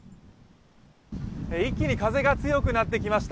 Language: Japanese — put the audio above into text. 一気に風が強くなってきました。